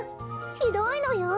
ひどいのよ。